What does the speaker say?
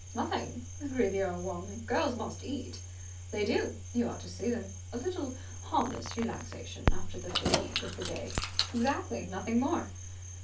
"Nothing!" agreed the earl warmly. "Girls must eat!" "They do. You ought to see them." "A little harmless relaxation after the fatigue of the day!" "Exactly. Nothing more."